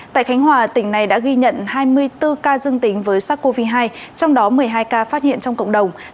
tại khánh hòa tỉnh này đã ghi nhận hai mươi bốn ca dương tính với sars cov hai trong đó một mươi hai ca phát hiện trong cộng đồng